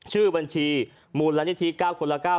ใช่ครับ